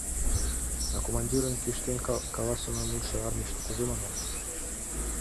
А командирын кӱштен каласыме мутшо армийыште кузе маналтеш?